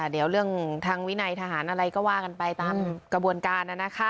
เดี๋ยวเรื่องทางวินัยทหารอะไรก็ว่ากันไปตามกระบวนการ